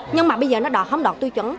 nhưng mà bây giờ nó đọt không đọt tư chấn